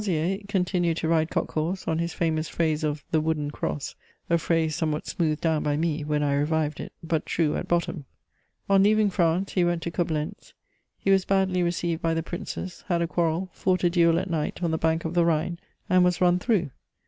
] Montlosier continued to ride cock horse on his famous phrase of the "wooden cross," a phrase somewhat smoothed down by me, when I revived it, but true at bottom. On leaving France he went to Coblentz: he was badly received by the Princes, had a quarrel, fought a duel at night on the bank of the Rhine, and was run through.